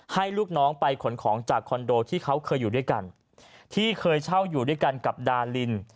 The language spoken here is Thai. ลูกน้องไปขนของจากคอนโดที่เขาเคยอยู่ด้วยกันที่เคยเช่าอยู่ด้วยกันกับดาริน